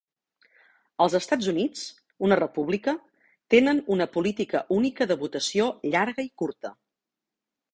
Els Estats Units, una república, tenen una política única de votació llarga i curta.